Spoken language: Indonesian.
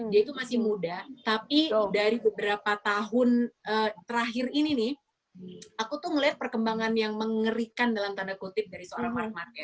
dia itu masih muda tapi dari beberapa tahun terakhir ini nih aku tuh ngeliat perkembangan yang mengerikan dalam tanda kutip dari seorang mark marque